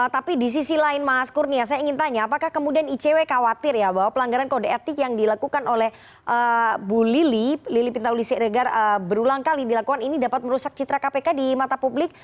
tapi di sisi lain mas kurnia saya ingin tanya apakah kemudian icw khawatir ya bahwa pelanggaran kode etik yang dilakukan oleh bu lili pintauli siregar berulang kali dilakukan ini dapat merusak citra kpk di mata publik